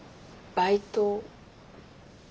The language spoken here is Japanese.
バイト？